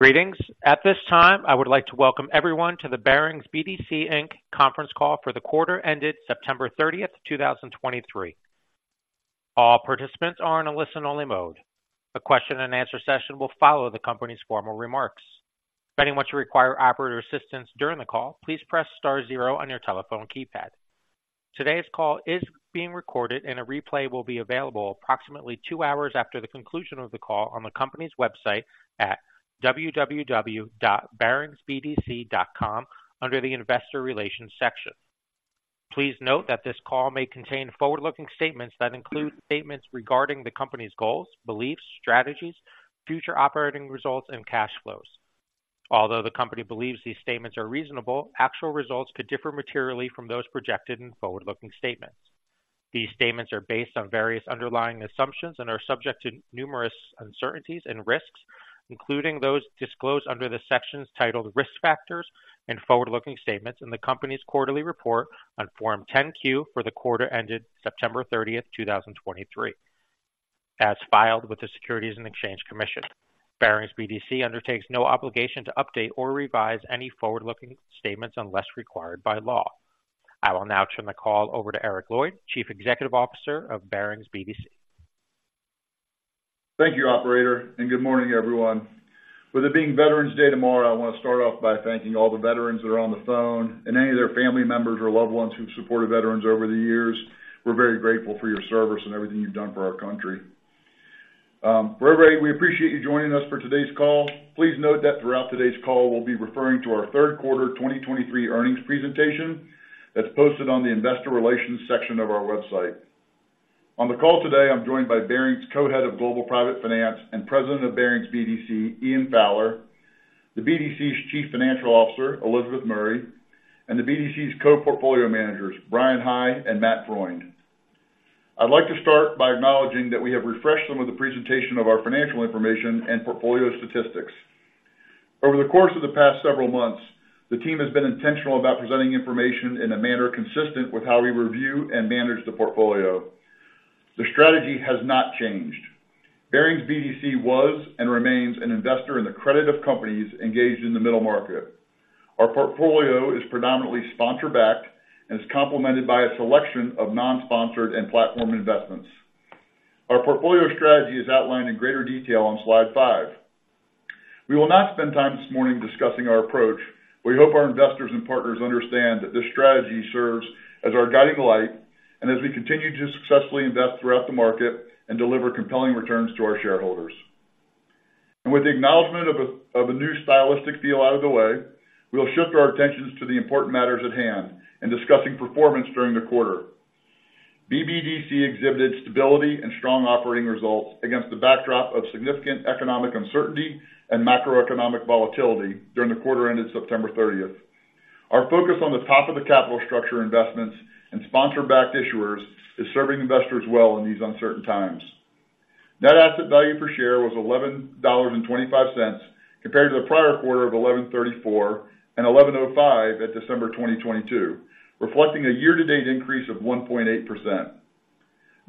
Greetings. At this time, I would like to welcome everyone to the Barings BDC, Inc. conference call for the quarter ended September 30th, 2023. All participants are in a listen-only mode. A question and answer session will follow the company's formal remarks. If anyone should require operator assistance during the call, please press star zero on your telephone keypad. Today's call is being recorded, and a replay will be available approximately two hours after the conclusion of the call on the company's website at www.baringsbdc.com under the Investor Relations section. Please note that this call may contain forward-looking statements that include statements regarding the company's goals, beliefs, strategies, future operating results, and cash flows. Although the company believes these statements are reasonable, actual results could differ materially from those projected in forward-looking statements. These statements are based on various underlying assumptions and are subject to numerous uncertainties and risks, including those disclosed under the sections titled "Risk Factors" and "Forward-Looking Statements" in the company's quarterly report on Form 10-Q for the quarter ended September 30, 2023, as filed with the Securities and Exchange Commission. Barings BDC undertakes no obligation to update or revise any forward-looking statements unless required by law. I will now turn the call over to Eric Lloyd, Chief Executive Officer of Barings BDC. Thank you, operator, and good morning, everyone. With it being Veterans Day tomorrow, I wanna start off by thanking all the veterans that are on the phone and any of their family members or loved ones who've supported veterans over the years. We're very grateful for your service and everything you've done for our country. We appreciate you joining us for today's call. Please note that throughout today's call, we'll be referring to our third quarter 2023 earnings presentation that's posted on the Investor Relations section of our website. On the call today, I'm joined by Barings Co-Head of Global Private Finance and President of Barings BDC, Ian Fowler, the BDC's Chief Financial Officer, Elizabeth Murray, and the BDC's Co-Portfolio Managers, Bryan High and Matt Freund. I'd like to start by acknowledging that we have refreshed some of the presentation of our financial information and portfolio statistics. Over the course of the past several months, the team has been intentional about presenting information in a manner consistent with how we review and manage the portfolio. The strategy has not changed. Barings BDC was and remains an investor in the credit of companies engaged in the middle market. Our portfolio is predominantly sponsor-backed and is complemented by a selection of non-sponsored and platform investments. Our portfolio strategy is outlined in greater detail on slide five. We will not spend time this morning discussing our approach. We hope our investors and partners understand that this strategy serves as our guiding light and as we continue to successfully invest throughout the market and deliver compelling returns to our shareholders. With the acknowledgment of a new stylistic feel out of the way, we'll shift our attentions to the important matters at hand in discussing performance during the quarter. BBDC exhibited stability and strong operating results against the backdrop of significant economic uncertainty and macroeconomic volatility during the quarter ended September 30th. Our focus on the top of the capital structure investments and sponsor-backed issuers is serving investors well in these uncertain times. Net asset value per share was $11.25, compared to the prior quarter of $11.34 and $11.05 at December 2022, reflecting a year-to-date increase of 1.8%.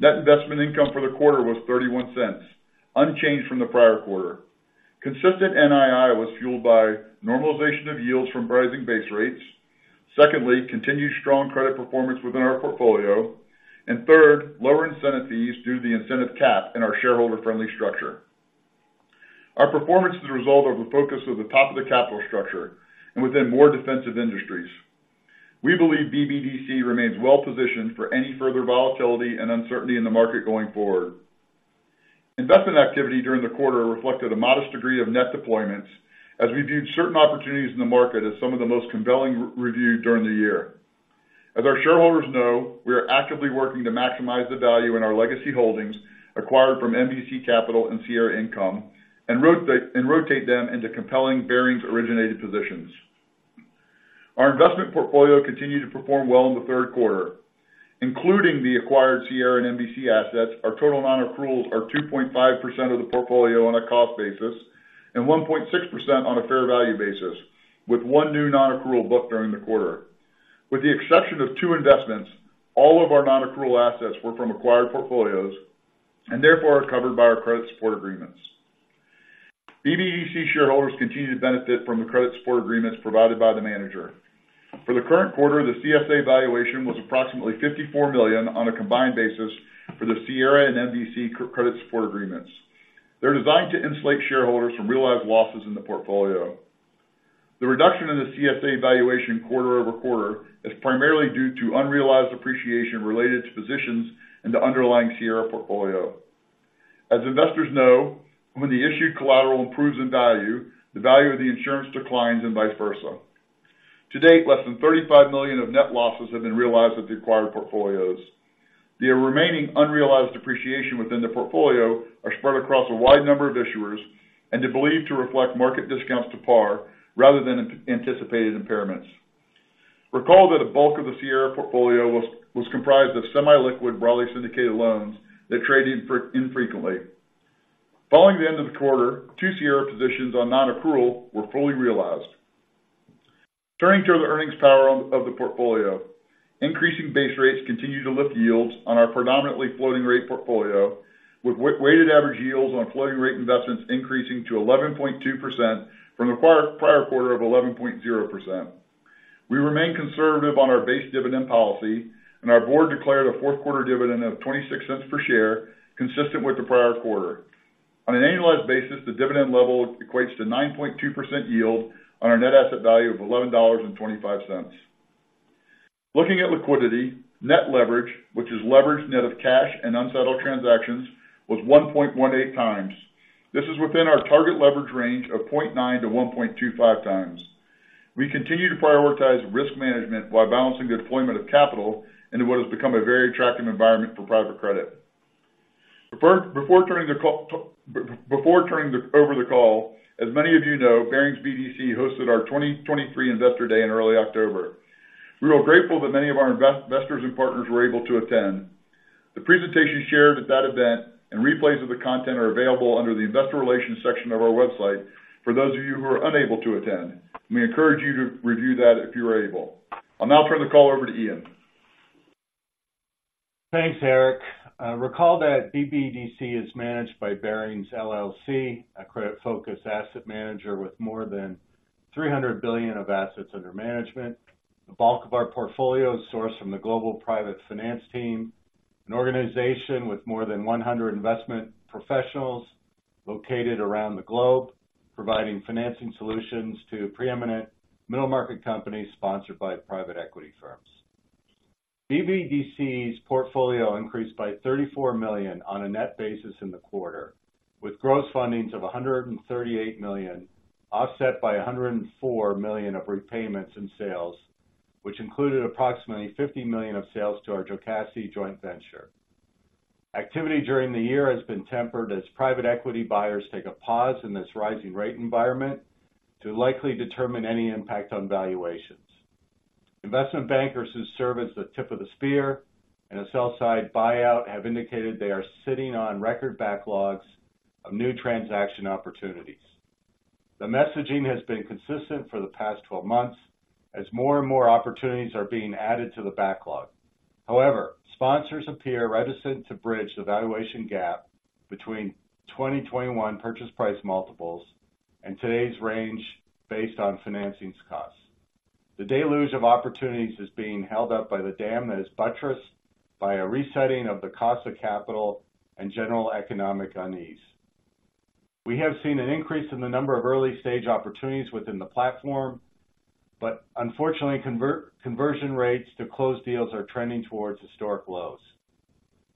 Net investment income for the quarter was $0.31, unchanged from the prior quarter. Consistent NII was fueled by normalization of yields from rising base rates. Secondly, continued strong credit performance within our portfolio. And third, lower incentive fees due to the incentive cap in our shareholder-friendly structure. Our performance is a result of the focus of the top of the capital structure and within more defensive industries. We believe BBDC remains well positioned for any further volatility and uncertainty in the market going forward. Investment activity during the quarter reflected a modest degree of net deployments, as we viewed certain opportunities in the market as some of the most compelling reviewed during the year. As our shareholders know, we are actively working to maximize the value in our legacy holdings acquired from MVC Capital and Sierra Income, and rotate them into compelling Barings-originated positions. Our investment portfolio continued to perform well in the third quarter, including the acquired Sierra and MVC assets. Our total nonaccruals are 2.5% of the portfolio on a cost basis and 1.6% on a fair value basis, with one new nonaccrual book during the quarter. With the exception of two investments, all of our nonaccrual assets were from acquired portfolios and therefore are covered by our credit support agreements. BBDC shareholders continue to benefit from the credit support agreements provided by the manager. For the current quarter, the CSA valuation was approximately $54 million on a combined basis for the Sierra and MVC credit support agreements. They're designed to insulate shareholders from realized losses in the portfolio. The reduction in the CSA valuation quarter-over-quarter is primarily due to unrealized appreciation related to positions in the underlying Sierra portfolio. As investors know, when the issued collateral improves in value, the value of the insurance declines and vice versa. To date, less than $35 million of net losses have been realized with the acquired portfolios. The remaining unrealized depreciation within the portfolio are spread across a wide number of issuers and are believed to reflect market discounts to par rather than anticipated impairments. Recall that a bulk of the Sierra portfolio was comprised of semi-liquid, broadly syndicated loans that traded infrequently. Following the end of the quarter, two Sierra positions on nonaccrual were fully realized. Turning to the earnings power of the portfolio. Increasing base rates continue to lift yields on our predominantly floating rate portfolio, with weighted average yields on floating rate investments increasing to 11.2% from the prior quarter of 11.0%. We remain conservative on our base dividend policy, and our board declared a fourth quarter dividend of $0.26 per share, consistent with the prior quarter. On an annualized basis, the dividend level equates to 9.2% yield on our net asset value of $11.25. Looking at liquidity, net leverage, which is leverage net of cash and unsettled transactions, was 1.18x. This is within our target leverage range of 0.9x-1.25x. We continue to prioritize risk management while balancing the deployment of capital into what has become a very attractive environment for private credit. Before turning the call over, as many of you know, Barings BDC hosted our 2023 Investor Day in early October. We are grateful that many of our investors and partners were able to attend. The presentation shared at that event and replays of the content are available under the Investor Relations section of our website for those of you who are unable to attend. We encourage you to review that if you are able. I'll now turn the call over to Ian. Thanks, Eric. Recall that BBDC is managed by Barings LLC, a credit-focused asset manager with more than $300 billion of assets under management. The bulk of our portfolio is sourced from the global private finance team, an organization with more than 100 investment professionals located around the globe, providing financing solutions to preeminent middle-market companies sponsored by private equity firms. BBDC's portfolio increased by $34 million on a net basis in the quarter, with gross fundings of $138 million, offset by $104 million of repayments and sales, which included approximately $50 million of sales to our Jocassee joint venture. Activity during the year has been tempered as private equity buyers take a pause in this rising rate environment to likely determine any impact on valuations. Investment bankers, who serve as the tip of the spear in a sell side buyout, have indicated they are sitting on record backlogs of new transaction opportunities. The messaging has been consistent for the past 12 months, as more and more opportunities are being added to the backlog. However, sponsors appear reticent to bridge the valuation gap between 2021 purchase price multiples and today's range based on financing costs. The deluge of opportunities is being held up by the dam that is buttressed by a resetting of the cost of capital and general economic unease. We have seen an increase in the number of early-stage opportunities within the platform, but unfortunately, conversion rates to close deals are trending towards historic lows.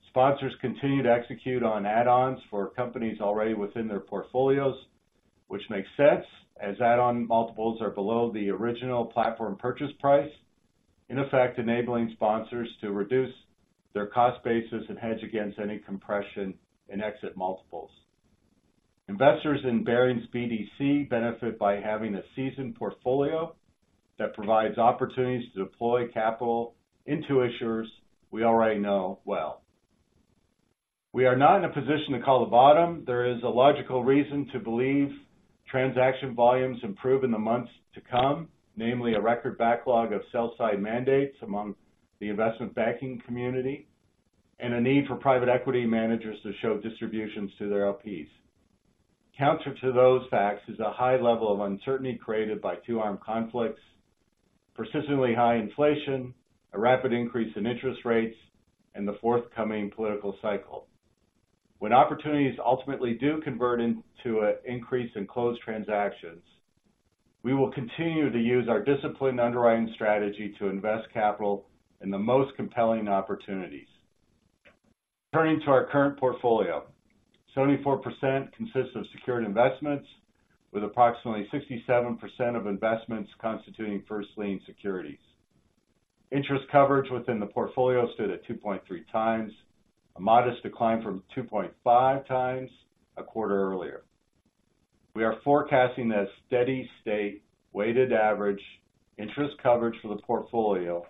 Sponsors continue to execute on add-ons for companies already within their portfolios, which makes sense, as add-on multiples are below the original platform purchase price, in effect, enabling sponsors to reduce their cost basis and hedge against any compression in exit multiples. Investors in Barings BDC benefit by having a seasoned portfolio that provides opportunities to deploy capital into issuers we already know well. We are not in a position to call the bottom. There is a logical reason to believe transaction volumes improve in the months to come, namely a record backlog of sell-side mandates among the investment banking community and a need for private equity managers to show distributions to their LPs. Counter to those facts is a high level of uncertainty created by two-arm conflicts, persistently high inflation, a rapid increase in interest rates, and the forthcoming political cycle. When opportunities ultimately do convert into an increase in closed transactions, we will continue to use our disciplined underwriting strategy to invest capital in the most compelling opportunities. Turning to our current portfolio, 74% consists of secured investments, with approximately 67% of investments constituting first lien securities. Interest coverage within the portfolio stood at 2.3 times, a modest decline from 2.5 times a quarter earlier. We are forecasting that steady state weighted average interest coverage for the portfolio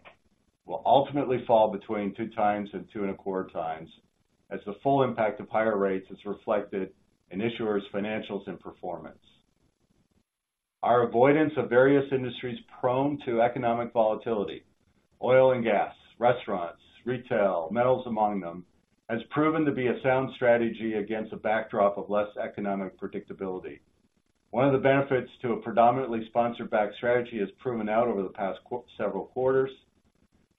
will ultimately fall between 2 times and 2.25 times, as the full impact of higher rates is reflected in issuers' financials and performance. Our avoidance of various industries prone to economic volatility, oil and gas, restaurants, retail, metals among them, has proven to be a sound strategy against a backdrop of less economic predictability. One of the benefits to a predominantly sponsor-backed strategy has proven out over the past several quarters.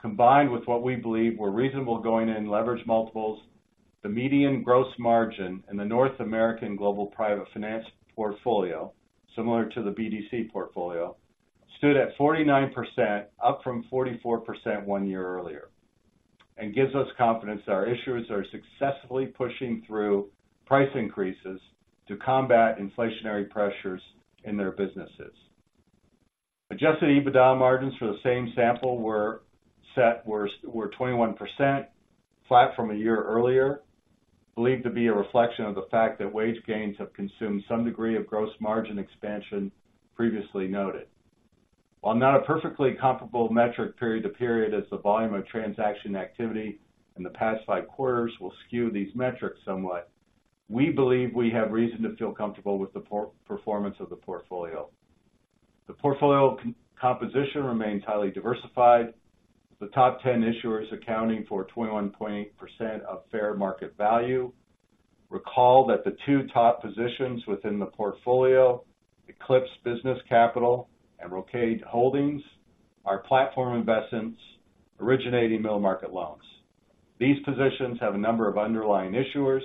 Combined with what we believe were reasonable going-in leverage multiples, the median gross margin in the North American Global Private Finance portfolio, similar to the BDC portfolio, stood at 49%, up from 44% one year earlier, and gives us confidence that our issuers are successfully pushing through price increases to combat inflationary pressures in their businesses. Adjusted EBITDA margins for the same sample were 21%, flat from a year earlier, believed to be a reflection of the fact that wage gains have consumed some degree of gross margin expansion previously noted. While not a perfectly comparable metric period to period, as the volume of transaction activity in the past five quarters will skew these metrics somewhat. We believe we have reason to feel comfortable with the performance of the portfolio. The portfolio composition remains highly diversified, with the top 10 issuers accounting for 21.8% of fair market value. Recall that the two top positions within the portfolio, Eclipse Business Capital and Rocade Holdings, are platform investments originating middle market loans. These positions have a number of underlying issuers.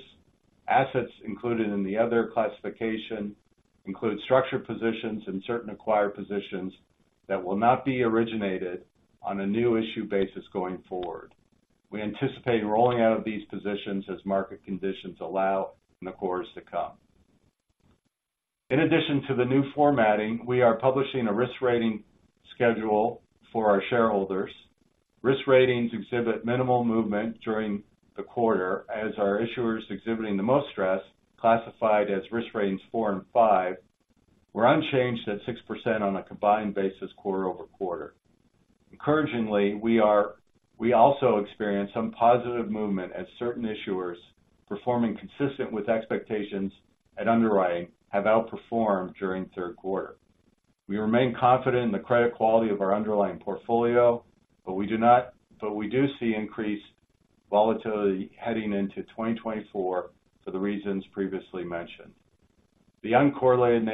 Assets included in the other classification include structured positions and certain acquired positions that will not be originated on a new issue basis going forward. We anticipate rolling out of these positions as market conditions allow in the quarters to come. In addition to the new formatting, we are publishing a risk rating schedule for our shareholders. Risk ratings exhibit minimal movement during the quarter, as our issuers exhibiting the most stress, classified as risk ratings four and five, were unchanged at 6% on a combined basis quarter-over-quarter. Encouragingly, we also experienced some positive movement as certain issuers performing consistent with expectations at underwriting have outperformed during the third quarter. We remain confident in the credit quality of our underlying portfolio, but we do see increased volatility heading into 2024 for the reasons previously mentioned. The uncorrelated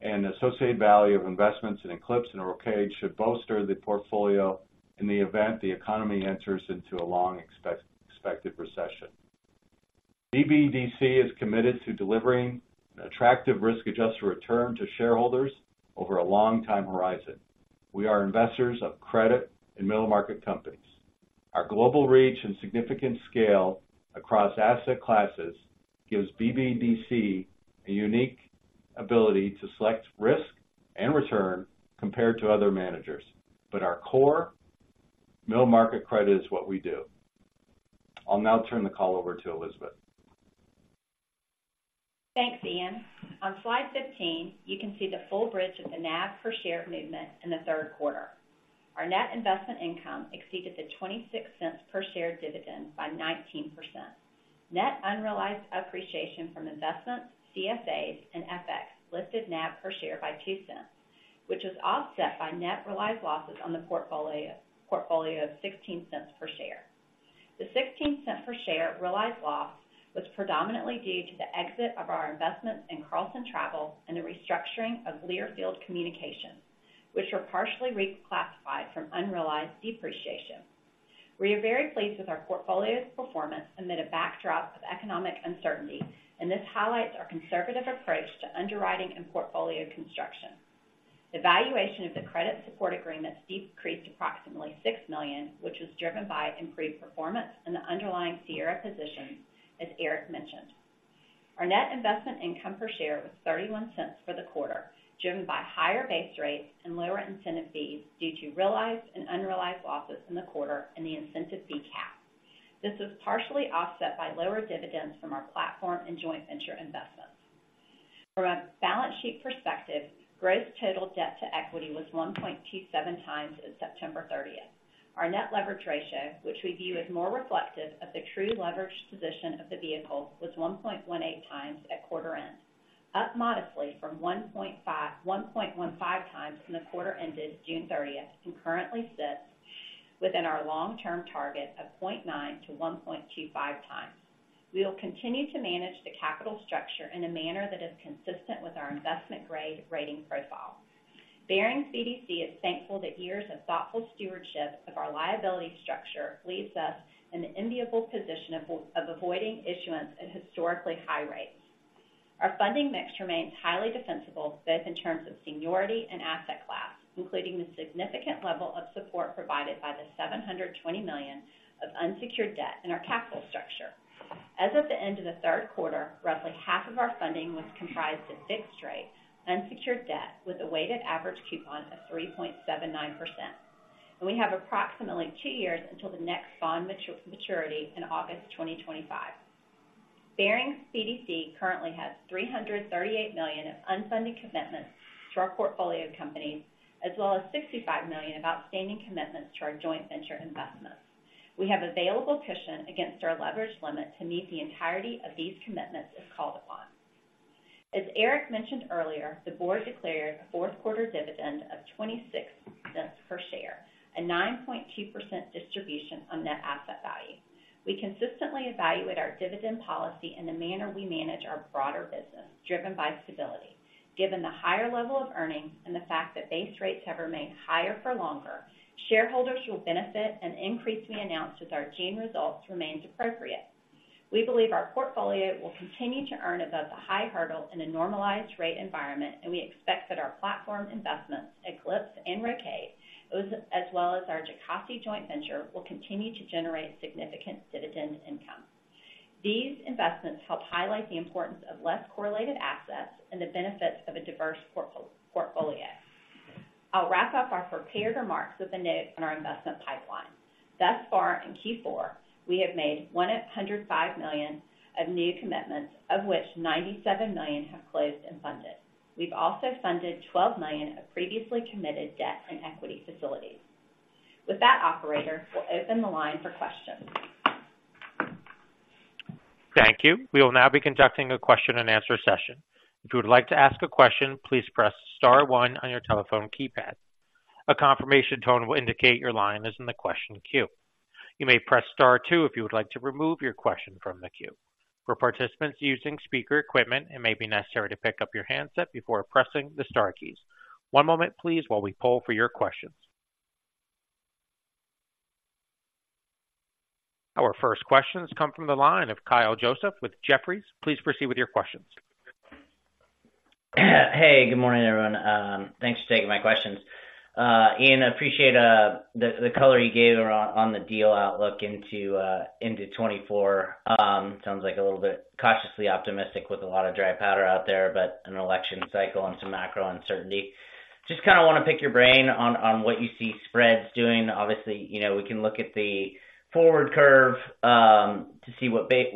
nature and associated value of investments in Eclipse and Rocade should bolster the portfolio in the event the economy enters into a long expected recession. BBDC is committed to delivering an attractive risk-adjusted return to shareholders over a long time horizon. We are investors of credit in middle market companies. Our global reach and significant scale across asset classes gives BBDC a unique ability to select risk and return compared to other managers, but our core middle market credit is what we do. I'll now turn the call over to Elizabeth. Thanks, Ian. On slide 15, you can see the full bridge of the NAV per share movement in the third quarter. Our net investment income exceeded the $0.26 per share dividend by 19%. Net unrealized appreciation from investments, CSAs, and FX lifted NAV per share by $0.02, which was offset by net realized losses on the portfolio of $0.16 per share. The $0.16 per share realized loss was predominantly due to the exit of our investments in Carlson Travel and the restructuring of Learfield Communications, which were partially reclassified from unrealized depreciation. We are very pleased with our portfolio's performance amid a backdrop of economic uncertainty, and this highlights our conservative approach to underwriting and portfolio construction. The valuation of the credit support agreements decreased approximately $6 million, which was driven by improved performance in the underlying Sierra position, as Eric mentioned. Our net investment income per share was $0.31 for the quarter, driven by higher base rates and lower incentive fees due to realized and unrealized losses in the quarter and the incentive fee cap. This was partially offset by lower dividends from our platform and joint venture investments. From a balance sheet perspective, gross total debt to equity was 1.27x as of September 30. Our net leverage ratio, which we view as more reflective of the true leverage position of the vehicle, was 1.18x at quarter end, up modestly from 1.15 times in the quarter ended June 30, and currently sits within our long-term target of 0.9x-1.25x. We will continue to manage the capital structure in a manner that is consistent with our investment-grade rating profile. Barings BDC is thankful that years of thoughtful stewardship of our liability structure leaves us in the enviable position of avoiding issuance at historically high rates. Our funding mix remains highly defensible, both in terms of seniority and asset class, including the significant level of support provided by the $720 million of unsecured debt in our capital structure. As of the end of the third quarter, roughly half of our funding was comprised of fixed-rate unsecured debt with a weighted average coupon of 3.79%. And we have approximately two years until the next bond maturity in August 2025. Barings BDC currently has $338 million of unfunded commitments to our portfolio companies, as well as $65 million of outstanding commitments to our joint venture investments. We have available cushion against our leverage limit to meet the entirety of these commitments as called upon. As Eric mentioned earlier, the board declared a fourth-quarter dividend of $0.26 per share, a 9.2% distribution on net asset value. We consistently evaluate our dividend policy in the manner we manage our broader business, driven by stability. Given the higher level of earnings and the fact that base rates have remained higher for longer, shareholders will benefit, and the increase we announced with our June results remains appropriate. We believe our portfolio will continue to earn above the high hurdle in a normalized rate environment, and we expect that our platform investments, Eclipse and Rocade, as well as our Jocassee joint venture, will continue to generate significant dividend income. These investments help highlight the importance of less correlated assets and the benefits of a diverse portfolio. I'll wrap up our prepared remarks with an update on our investment pipeline. Thus far, in Q4, we have made $105 million of new commitments, of which $97 million have closed and funded. We've also funded $12 million of previously committed debt and equity facilities. With that, operator, we'll open the line for questions. Thank you. We will now be conducting a question-and-answer session. If you would like to ask a question, please press star one on your telephone keypad. A confirmation tone will indicate your line is in the question queue. You may press star two if you would like to remove your question from the queue. For participants using speaker equipment, it may be necessary to pick up your handset before pressing the star keys. One moment please, while we poll for your questions. Our first questions come from the line of Kyle Joseph with Jefferies. Please proceed with your questions. Hey, good morning, everyone. Thanks for taking my questions. Ian, I appreciate the color you gave around the deal outlook into 2024. Sounds like a little bit cautiously optimistic with a lot of dry powder out there, but an election cycle and some macro uncertainty. Just kinda wanna pick your brain on what you see spreads doing. Obviously, you know, we can look at the forward curve to see what base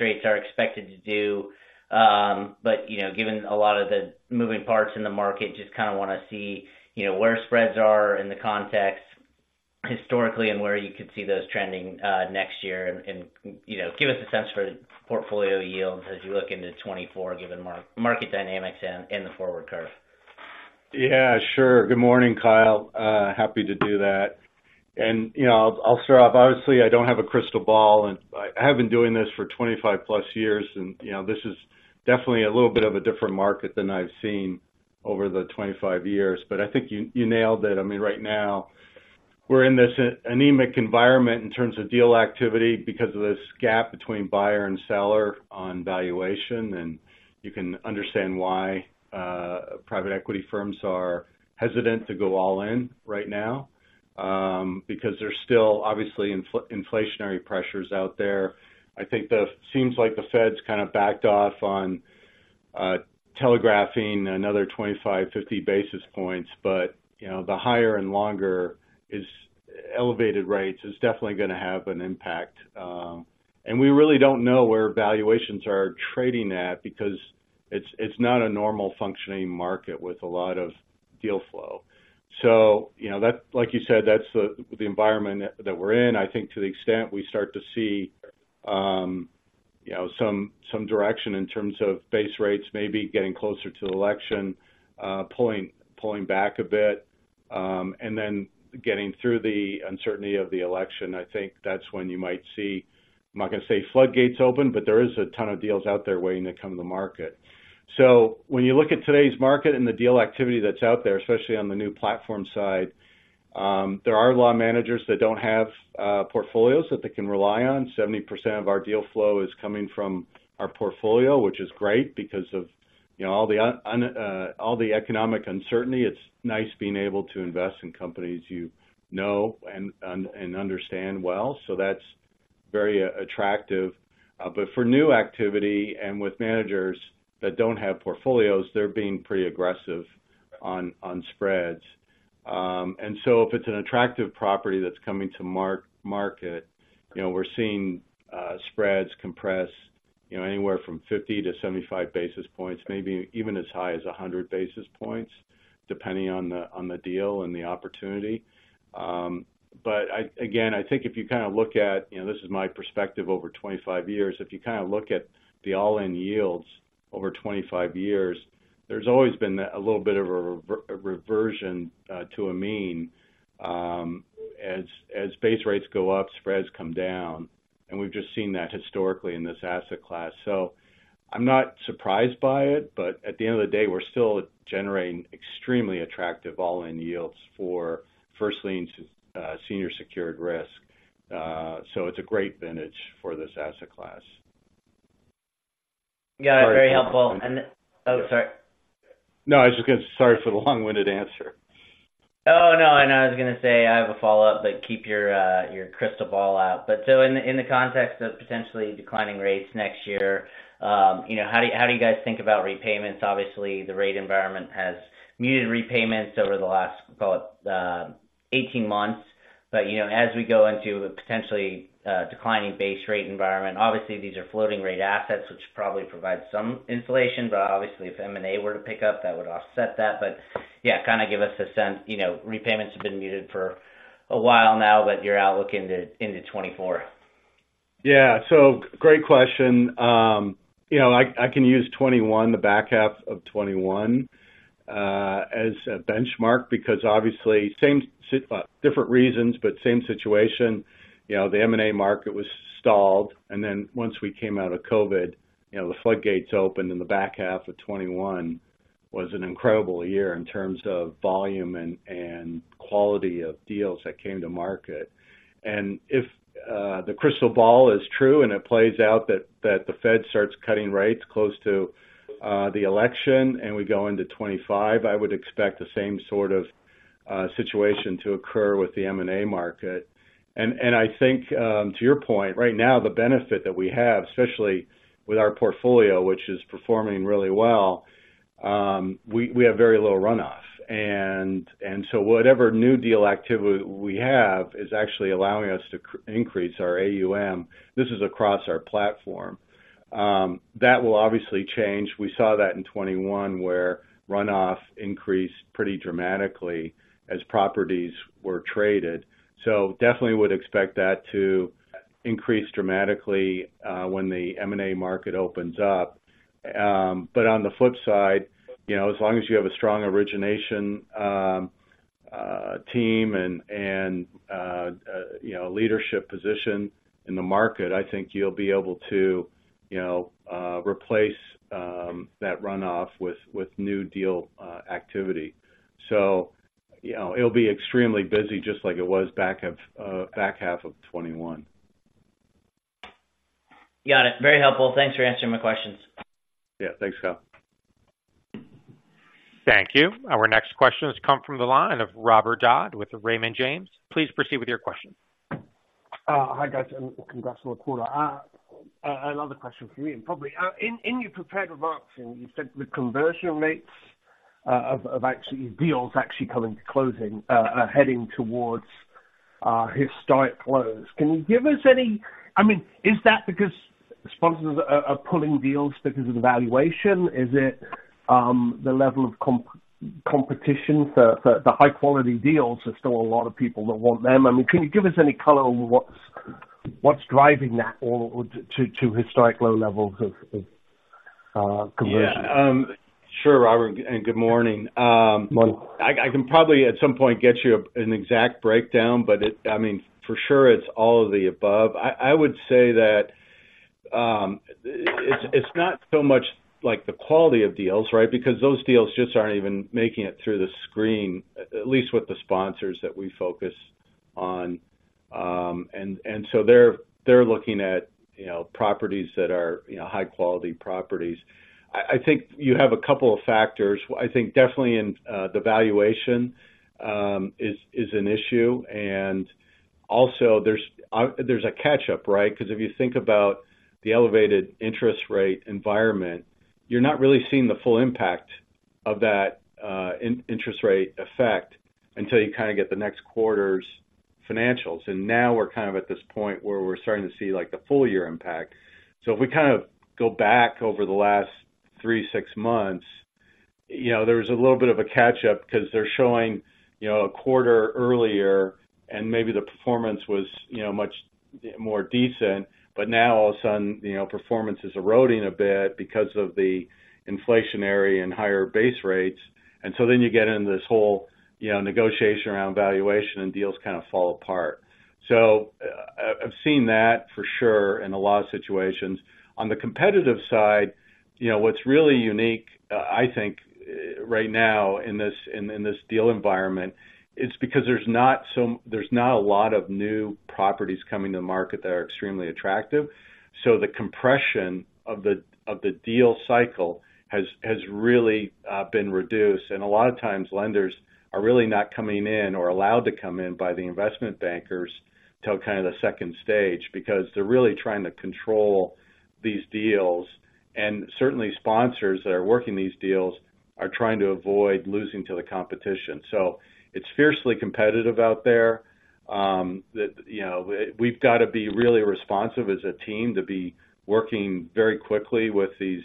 rates are expected to do. But, you know, given a lot of the moving parts in the market, just kinda wanna see, you know, where spreads are in the context historically, and where you could see those trending next year. You know, give us a sense for portfolio yields as you look into 2024, given market dynamics and the forward curve. Yeah, sure. Good morning, Kyle. Happy to do that. You know, I'll start off. Obviously, I don't have a crystal ball, and I have been doing this for 25+ years, and, you know, this is definitely a little bit of a different market than I've seen over the 25 years. But I think you nailed it. I mean, right now, we're in this anemic environment in terms of deal activity because of this gap between buyer and seller on valuation, and you can understand why private equity firms are hesitant to go all in right now because there's still obviously inflationary pressures out there. I think... Seems like the Fed's kinda backed off on telegraphing another 25, 50 basis points, but, you know, the higher and longer is elevated rates is definitely gonna have an impact. And we really don't know where valuations are trading at because it's not a normal functioning market with a lot of deal flow. So, you know, that—like you said, that's the environment that we're in. I think to the extent we start to see, you know, some direction in terms of base rates, maybe getting closer to the election, pulling back a bit, and then getting through the uncertainty of the election, I think that's when you might see, I'm not gonna say floodgates open, but there is a ton of deals out there waiting to come to the market. So when you look at today's market and the deal activity that's out there, especially on the new platform side, there are a lot of managers that don't have portfolios that they can rely on. 70% of our deal flow is coming from our portfolio, which is great because of, you know, all the economic uncertainty. It's nice being able to invest in companies you know, and, and, and understand well. So that's very attractive. But for new activity and with managers that don't have portfolios, they're being pretty aggressive on, on spreads. And so if it's an attractive property that's coming to market, you know, we're seeing spreads compress, you know, anywhere from 50-75 basis points, maybe even as high as 100 basis points, depending on the, on the deal and the opportunity. But again, I think if you kinda look at, you know, this is my perspective over 25 years, if you kinda look at the all-in yields over 25 years, there's always been a little bit of a reversion to a mean. As base rates go up, spreads come down, and we've just seen that historically in this asset class. So I'm not surprised by it, but at the end of the day, we're still generating extremely attractive all-in yields for first lien to senior secured risk. So it's a great vintage for this asset class. Yeah, very helpful. Sorry- Oh, sorry. No, I was just gonna... Sorry for the long-winded answer. Oh, no, I know. I was gonna say I have a follow-up, but keep your crystal ball out. But so in the context of potentially declining rates next year, you know, how do you, how do you guys think about repayments? Obviously, the rate environment has muted repayments over the last, call it, 18 months. But, you know, as we go into a potentially declining base rate environment, obviously, these are floating-rate assets, which probably provide some insulation, but obviously, if M&A were to pick up, that would offset that. But yeah, kinda give us a sense, you know, repayments have been muted for a while now, but your outlook into 2024. Yeah. So great question. You know, I can use 2021, the back half of 2021, as a benchmark, because obviously, same different reasons, but same situation. You know, the M&A market was stalled, and then once we came out of COVID, you know, the floodgates opened, and the back half of 2021 was an incredible year in terms of volume and quality of deals that came to market. And if the crystal ball is true and it plays out that the Fed starts cutting rates close to the election and we go into 2025, I would expect the same sort of situation to occur with the M&A market. And I think to your point, right now, the benefit that we have, especially with our portfolio, which is performing really well, we have very low runoff. So whatever new deal activity we have is actually allowing us to increase our AUM. This is across our platform. That will obviously change. We saw that in 2021, where runoff increased pretty dramatically as properties were traded. So definitely would expect that to increase dramatically when the M&A market opens up. But on the flip side, you know, as long as you have a strong origination team and, you know, a leadership position in the market, I think you'll be able to, you know, replace that runoff with new deal activity. So, you know, it'll be extremely busy, just like it was back half of 2021. Got it. Very helpful. Thanks for answering my questions. Yeah. Thanks, Kyle. Thank you. Our next question has come from the line of Robert Dodd with Raymond James. Please proceed with your question. Hi, guys, and congrats on the quarter. Another question for you, and probably... In your prepared remarks, you said the conversion rates of actually deals actually coming to closing are heading towards historic lows. Can you give us any—I mean, is that because sponsors are pulling deals because of the valuation? Is it the level of competition for the high quality deals? There's still a lot of people that want them. I mean, can you give us any color on what's driving that or to historic low levels of conversion? Yeah. Sure, Robert, and good morning. Morning. I can probably, at some point, get you an exact breakdown, but I mean, for sure, it's all of the above. I would say that it's not so much like the quality of deals, right? Because those deals just aren't even making it through the screen, at least with the sponsors that we focus on. And so they're looking at, you know, properties that are, you know, high-quality properties. I think you have a couple of factors. I think definitely in the valuation is an issue, and also there's a catch-up, right? Because if you think about the elevated interest rate environment, you're not really seeing the full impact of that, interest rate effect until you kind of get the next quarter's financials. Now we're kind of at this point where we're starting to see, like, the full year impact. So if we kind of go back over the last three, six months, you know, there was a little bit of a catch up because they're showing, you know, a quarter earlier, and maybe the performance was, you know, much more decent. But now all of a sudden, you know, performance is eroding a bit because of the inflationary and higher base rates. And so then you get into this whole, you know, negotiation around valuation, and deals kind of fall apart. So, I've seen that for sure in a lot of situations. On the competitive side, you know, what's really unique, I think, right now in this deal environment, it's because there's not so-- there's not a lot of new properties coming to the market that are extremely attractive. So the compression of the deal cycle has really been reduced. And a lot of times, lenders are really not coming in or allowed to come in by the investment bankers till kind of the second stage, because they're really trying to control these deals. And certainly, sponsors that are working these deals are trying to avoid losing to the competition. So it's fiercely competitive out there. That, you know, we've got to be really responsive as a team to be working very quickly with these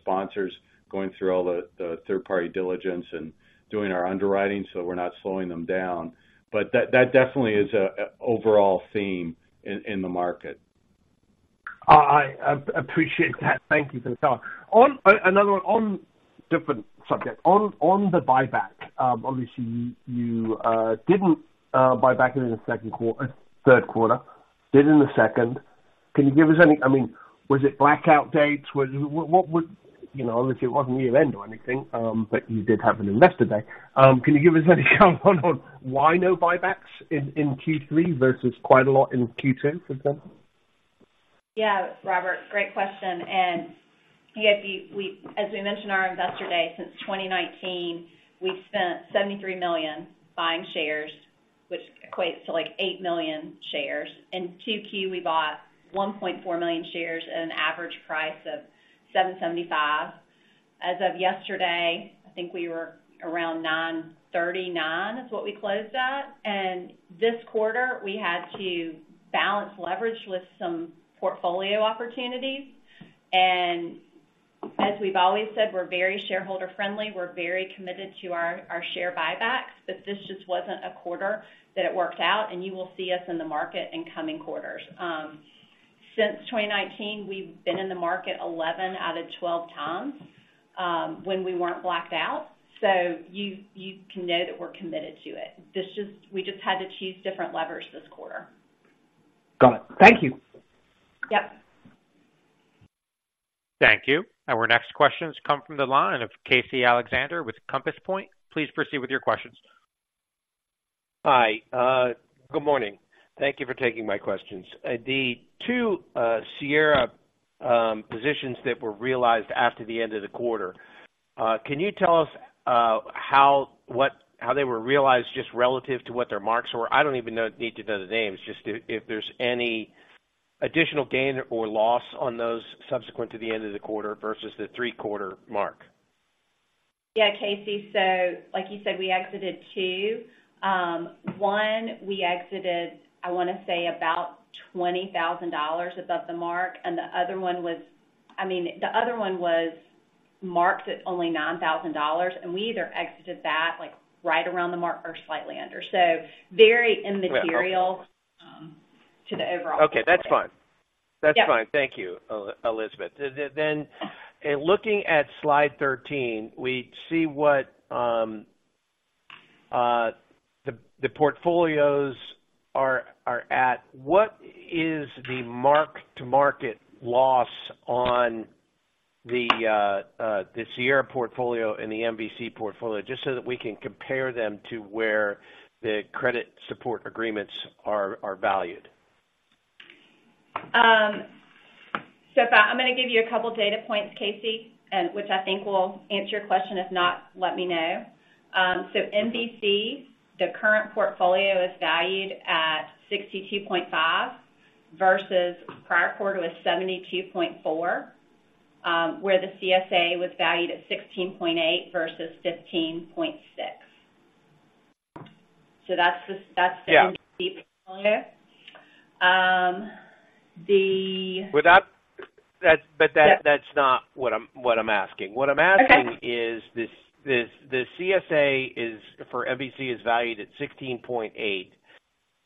sponsors, going through all the third-party diligence and doing our underwriting, so we're not slowing them down. But that definitely is a overall theme in the market. I appreciate that. Thank you for the time. On another one, on a different subject. On the buyback, obviously, you didn't buy back in the third quarter, did in the second. Can you give us any... I mean, was it blackout dates? What was—you know, obviously, it wasn't year-end or anything, but you did have an Investor Day. Can you give us any comment on why no buybacks in Q3 versus quite a lot in Q2, for example? Yeah, Robert, great question. And you know, we as we mentioned in our Investor Day, since 2019, we've spent $73 million buying shares, which equates to, like, 8 million shares. In 2Q, we bought 1.4 million shares at an average price of $7.75. As of yesterday, I think we were around $9.39, is what we closed at. And this quarter, we had to balance leverage with some portfolio opportunities. And as we've always said, we're very shareholder friendly. We're very committed to our share buybacks, but this just wasn't a quarter that it worked out, and you will see us in the market in coming quarters. Since 2019, we've been in the market 11 out of 12 times, when we weren't blacked out, so you can know that we're committed to it. We just had to choose different levers this quarter. Got it. Thank you. Yep. Thank you. Our next question has come from the line of Casey Alexander with Compass Point. Please proceed with your questions. Hi. Good morning. Thank you for taking my questions. The two Sierra positions that were realized after the end of the quarter, can you tell us how they were realized just relative to what their marks were? I don't even need to know the names, just if there's any additional gain or loss on those subsequent to the end of the quarter versus the three-quarter mark. Yeah, Casey. So like you said, we exited two. One we exited, I want to say, about $20,000 above the mark, and the other one was, I mean, marked at only $9,000, and we either exited that, like, right around the mark or slightly under. So very immaterial. Right. to the overall. Okay, that's fine. Yeah. That's fine. Thank you, Elizabeth. Then in looking at slide 13, we see what the portfolios are at. What is the mark-to-market loss on the Sierra portfolio and the MVC portfolio, just so that we can compare them to where the credit support agreements are valued? So I'm gonna give you a couple data points, Casey, and which I think will answer your question. If not, let me know. So MVC, the current portfolio is valued at $62.5 million versus prior quarter was $72.4 million, where the CSA was valued at $16.8 million versus $15.6 million. So that's the, that's- Yeah. The- But that, that's not what I'm, what I'm asking. Okay. What I'm asking is, the CSA for MVC is valued at $16.8. Right.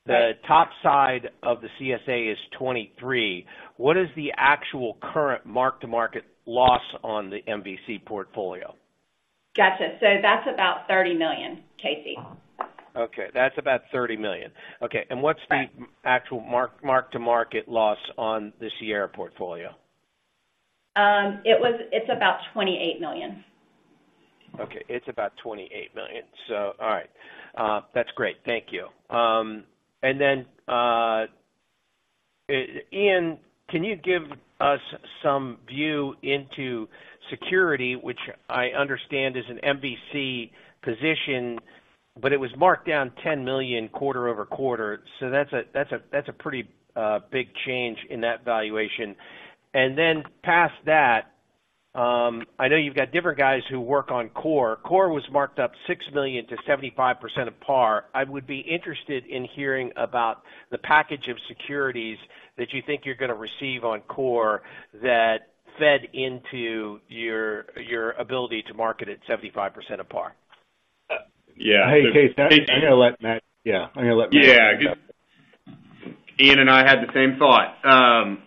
The top side of the CSA is 23. What is the actual current mark-to-market loss on the MVC portfolio? Gotcha. So that's about $30 million, Casey. Okay, that's about $30 million. Okay. Right. What's the actual mark-to-market loss on the Sierra portfolio? It's about $28 million. Okay. It's about $28 million. So all right, that's great. Thank you. And then, Ian, can you give us some view into security, which I understand is an MVC position, but it was marked down $10 million quarter-over-quarter. So that's a, that's a, that's a pretty, big change in that valuation. And then past that, I know you've got different guys who work on Core. Core was marked up $6 million to 75% of par. I would be interested in hearing about the package of securities that you think you're gonna receive on Core, that fed into your, your ability to market at 75% of par. Yeah. Hey, Casey, I'm gonna let Matt... Yeah, I'm gonna let Matt- Yeah. Ian and I had the same thought.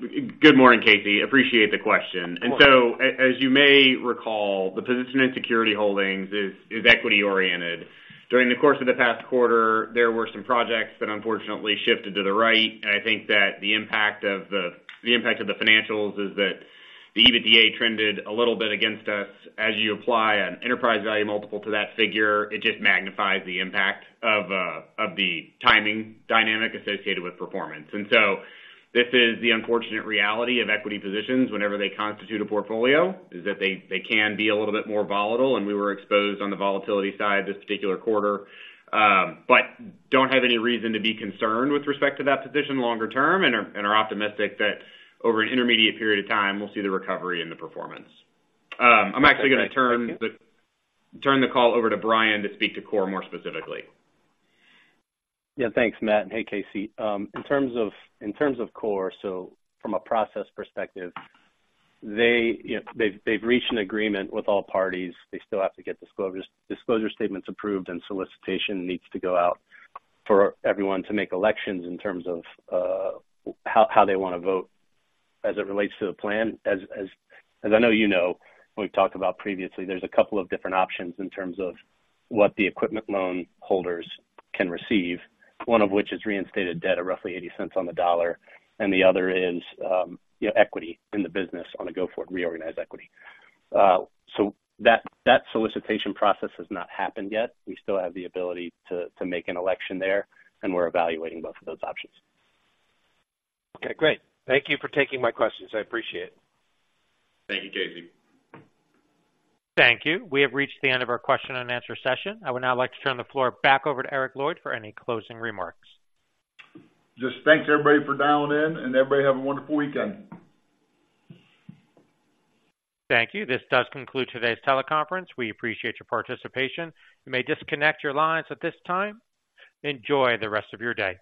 Good morning, Casey, appreciate the question. Of course. As you may recall, the position in Security Holdings is equity-oriented. During the course of the past quarter, there were some projects that unfortunately shifted to the right, and I think that the impact of the financials is that the EBITDA trended a little bit against us. As you apply an enterprise value multiple to that figure, it just magnifies the impact of the timing dynamic associated with performance. This is the unfortunate reality of equity positions whenever they constitute a portfolio, is that they can be a little bit more volatile, and we were exposed on the volatility side this particular quarter. But don't have any reason to be concerned with respect to that position longer term, and are, and are optimistic that over an intermediate period of time, we'll see the recovery in the performance. I'm actually gonna turn the call over to Bryan, to speak to Core more specifically. Yeah, thanks, Matt. Hey, Casey. In terms of Core, so from a process perspective, they, you know, they've reached an agreement with all parties. They still have to get disclosure statements approved, and solicitation needs to go out for everyone to make elections in terms of how they want to vote as it relates to the plan. As I know you know, we've talked about previously, there's a couple of different options in terms of what the equipment loan holders can receive. One of which is reinstated debt, or roughly 80 cents on the dollar, and the other is, you know, equity in the business on a go-forward reorganized equity. So that solicitation process has not happened yet. We still have the ability to make an election there, and we're evaluating both of those options. Okay, great. Thank you for taking my questions. I appreciate it. Thank you, Casey. Thank you. We have reached the end of our question and answer session. I would now like to turn the floor back over to Eric Lloyd for any closing remarks. Just thanks, everybody, for dialing in, and everybody have a wonderful weekend. Thank you. This does conclude today's teleconference. We appreciate your participation. You may disconnect your lines at this time. Enjoy the rest of your day.